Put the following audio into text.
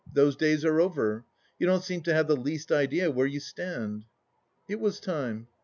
Those days are over. You don't seem to have the least idea where you stand." It was time.